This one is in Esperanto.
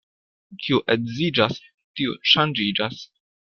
Kiu edziĝas, tiu ŝanĝiĝas.